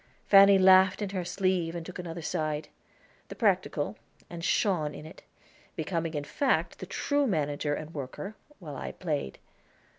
Fanny laughed in her sleeve and took another side the practical, and shone in it, becoming in fact the true manager and worker, while I played.